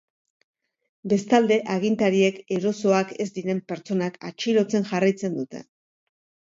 Bestalde, agintariek erosoak ez diren pertsonak atxilotzen jarraitzen dute.